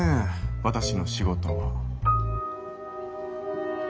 私の仕事は。